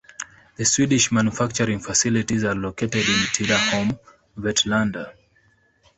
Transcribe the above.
The Swedish manufacturing facilities are located in Tidaholm and Vetlanda.